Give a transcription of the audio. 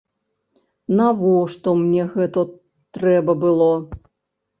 Навошта мне гэта трэба было?